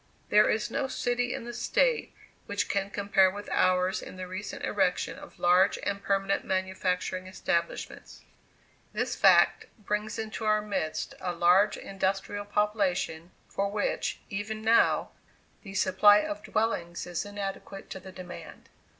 There is no city in the State which can compare with ours in the recent erection of large and permanent manufacturing establishments. This fact brings into our midst a large industrial population, for which, even now, the supply of dwellings is inadequate to the demand.